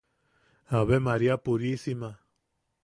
¡Ave María purísima!